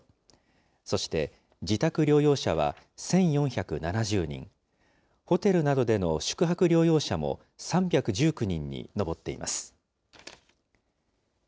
そして、自宅療養者は１４７０人、ホテルなどでの宿泊療養者も３１９人に上っています。